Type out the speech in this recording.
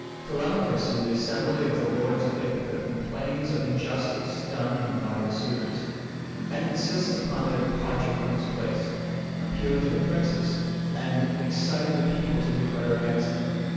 Telemachus in the assembly of the lords of Ithaca complains of the injustice done him by the suitors, and insists upon their departure from his palace; appealing to the princes, and exciting the people to declare against them.